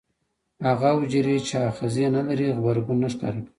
هغه حجرې چې آخذې نه لري غبرګون نه ښکاره کوي.